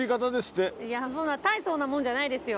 そんな大層なもんじゃないですよ。